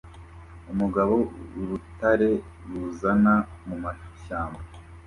Umugabo urutare ruzamuka mumashyamba